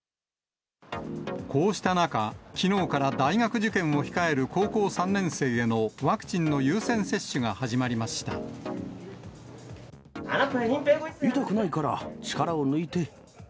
こうした中、きのうから大学受験を控える高校３年生へのワクチンの優先接種が痛くないから、力を抜いて。